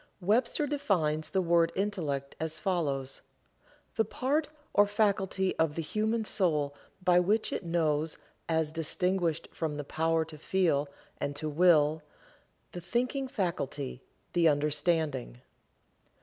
Webster defines the word Intellect as follows: The part or faculty of the human soul by which it knows, as distinguished from the power to feel and to will; the thinking faculty; the understanding.